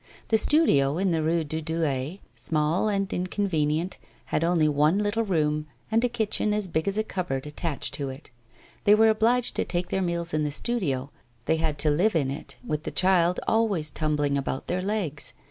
The studio in the Rue de Douai, small and inconvenient, had only one little room, and a kitchen, as big as a cupboard, attached to it. They were obliged to take their meals in the studio; they had to live in it, with the child always tumbling about their legs.